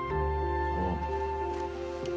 ああ。